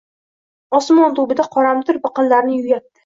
— Osmon tubida qoramtir biqinlarini yuvyapti!